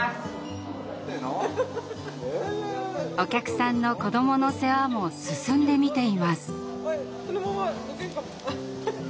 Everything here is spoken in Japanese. お客さんの子どもの世話も進んで見ています。